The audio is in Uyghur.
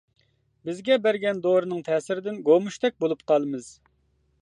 بىزگە بەرگەن دورىنىڭ تەسىرىدىن گومۇشتەك بولۇپ قالىمىز.